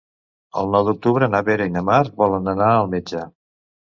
El nou d'octubre na Vera i na Mar volen anar al metge.